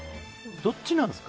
どっちなんですか？